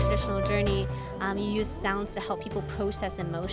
anda menggunakan bunyi untuk membantu orang orang memproses emosi